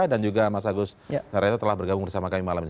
dan juga mas agus narayana telah bergabung bersama kami malam ini